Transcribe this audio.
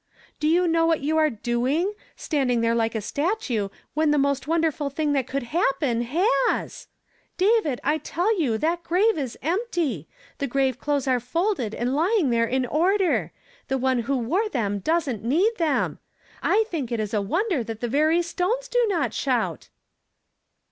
"Do you know what you are doing, — standing there like a statue, when the most wonderful thing that could happen, has/ David, I tell you that grave is empty ! the giuve clothes are folded and lying there in order; the one who wore them doesn't need them ! I think it is a wonder that the very stones do not shout